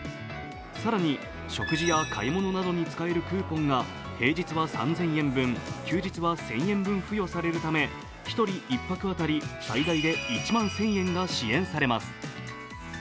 更に食事や買い物などに使えるクーポンが平日は３０００円分、休日は１０００円分付与されるため１人１泊当たり最大で１万１０００円が支援されます。